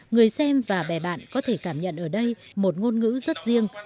người xem và bè bạn có thể cảm nhận ở đây một ngôn ngữ rất riêng